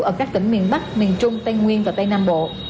ở các tỉnh miền bắc miền trung tây nguyên và tây nam bộ